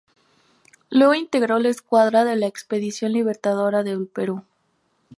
Luego integró la Escuadra de la Expedición Libertadora del Perú.